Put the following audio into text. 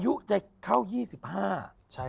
อยู่ใจเข้า๒๕